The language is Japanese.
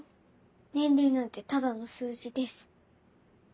年齢なんてただの数字です。